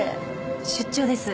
出張です。